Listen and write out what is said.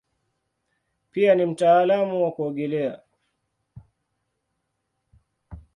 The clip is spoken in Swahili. Pia ni mtaalamu wa kuogelea.